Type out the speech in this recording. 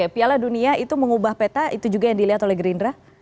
piala dunia itu mengubah peta itu juga yang dilihat oleh gerindra